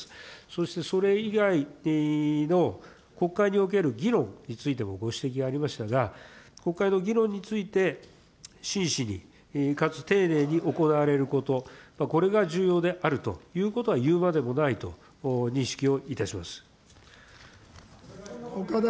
そしてそれ以外の国会における議論についてもご指摘ありましたが、国会の議論について真摯にかつ丁寧に行われること、これが重要であるということはいうまでもないと認識をいたします。